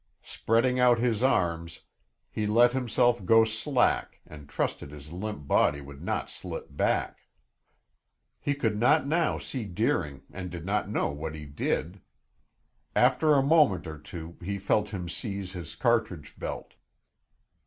Spreading out his arms, he let himself go slack and trusted his limp body would not slip back. He could not now see Deering and did not know what he did. After a moment or two he felt him seize his cartridge belt.